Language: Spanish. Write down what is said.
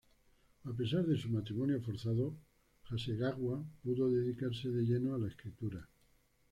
A pesar de su matrimonio forzado, Hasegawa pudo dedicarse de lleno a la escritura.